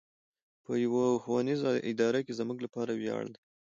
په يوه ښوونيزه اداره کې زموږ لپاره وياړ دی.